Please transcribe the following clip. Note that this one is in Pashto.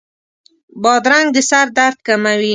بادرنګ د سر درد کموي.